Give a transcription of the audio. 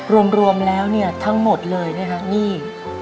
รวมแล้วเนี่ยทั้งหมดเลยเนี่ยค่ะนี่